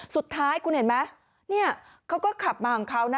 สุดท้ายคุณเห็นไหมเนี่ยเขาก็ขับมาของเขานะ